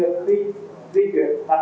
và do threw d upcoming